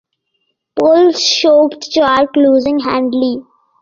Polls showed Clark losing handily.